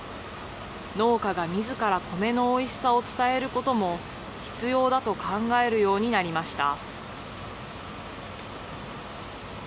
農家がみずから米のおいしさを伝えることも必要だと考えるようになりました。